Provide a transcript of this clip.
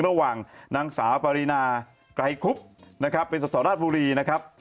ระหว่างนางสาวปรินาไกรคุบนะครับเป็นสสราชบุรีนะครับ